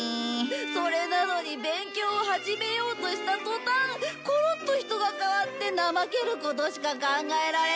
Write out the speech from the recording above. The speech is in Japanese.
それなのに勉強を始めようとした途端コロッと人が変わって怠けることしか考えられなくなるんだ。